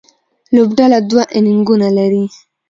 لوبډله دوه انینګونه لري.